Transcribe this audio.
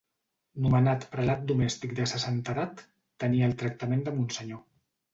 Nomenat prelat domèstic de sa santedat, tenia el tractament de monsenyor.